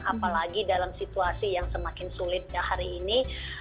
apalagi dalam situasi yang semakin sulit hari ini